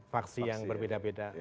faksi yang berbeda beda